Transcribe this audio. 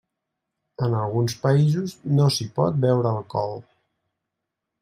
En alguns països no s'hi pot beure alcohol.